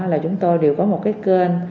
là chúng tôi đều có một cái kênh